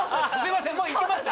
もういけます？